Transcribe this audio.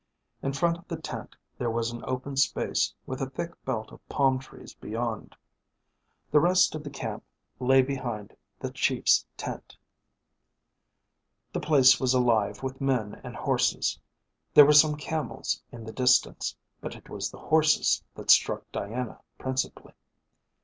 In front of the tent there was an open space with a thick belt of palm trees beyond. The rest of the camp lay behind the Chief's tent. The place was alive with men and horses. There were some camels in the distance, but it was the horses that struck Diana principally.